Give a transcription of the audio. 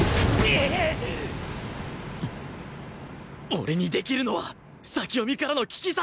俺にできるのは先読みからの危機察知！